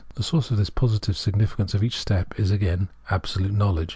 The source of this positive significance of each step is again " Absolute Knowledge."